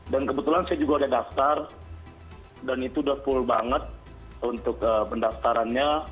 dan kebetulan saya juga sudah daftar dan itu sudah full banget untuk pendaftarannya